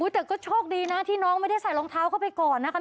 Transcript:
แต่ก็โชคดีนะที่น้องไม่ได้ใส่รองเท้าเข้าไปก่อนนะคะ